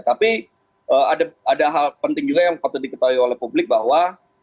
tapi ada hal penting juga yang patut diketahui oleh publik bahwa